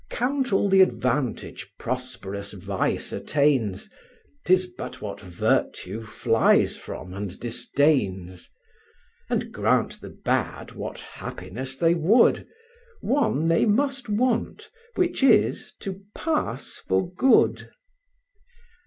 Count all the advantage prosperous vice attains, 'Tis but what virtue flies from and disdains: And grant the bad what happiness they would, One they must want, which is, to pass for good.